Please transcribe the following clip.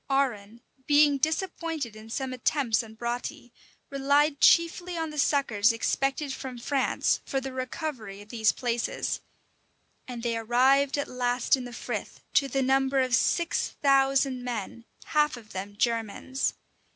Arran, being disappointed in some attempts on Broughty, relied chiefly on the succors expected from France for the recovery of these places; and they arrived at last in the frith, to the number of six thousand men; half of them Germans.